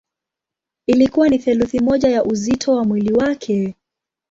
Ilikuwa ni theluthi moja ya uzito wa mwili wake.